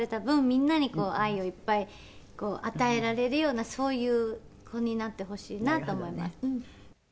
みんなに愛をいっぱい与えられるようなそういう子になってほしいなと思います」